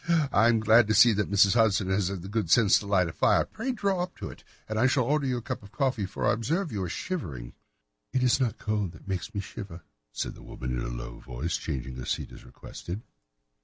Ha! I am glad to see that Mrs. Hudson has had the good sense to light the fire. Pray draw up to it, and I shall order you a cup of hot coffee, for I observe that you are shivering." "It is not cold which makes me shiver," said the woman in a low voice, changing her seat as requested.